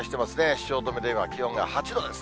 汐留で今、気温が８度です。